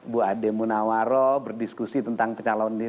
bu ade munawarro berdiskusi tentang pencalon dinas